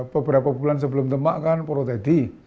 beberapa bulan sebelum demak kan protedi